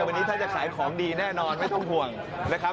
วันนี้ถ้าจะขายของดีแน่นอนไม่ต้องห่วงนะครับ